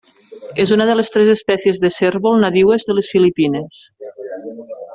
És una de les tres espècies de cérvol nadiues de les Filipines.